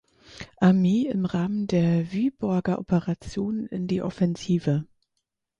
Armee im Rahmen der Wyborger Operation in die Offensive.